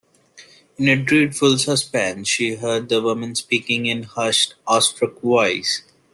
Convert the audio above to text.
In a dreadful suspense she heard the woman speak in a hushed, awestruck voice.